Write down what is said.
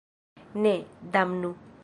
Ne, damnu.